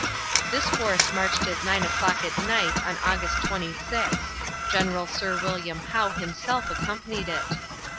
This force marched at nine o'clock at night on August 26; General Sir William Howe himself accompanied it.